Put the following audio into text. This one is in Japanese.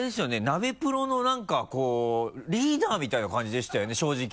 「ナベプロ」の何かこうリーダーみたいな感じでしたよね正直。